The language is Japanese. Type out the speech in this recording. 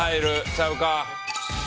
ちゃうか？